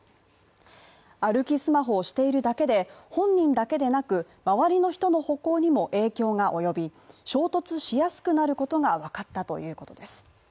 歩きスマホをしているだけで本人だけでなく周りの人の歩行にも影響が及び衝突しやすくなることが分かったということです。